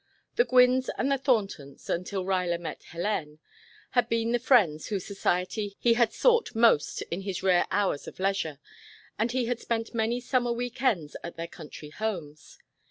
The Gwynnes and the Thorntons until Ruyler met Hélène had been the friends whose society he had sought most in his rare hours of leisure, and he had spent many summer week ends at their country homes.